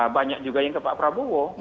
banyak juga yang ke pak prabowo